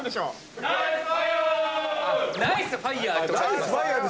⁉ナイスファイヤー！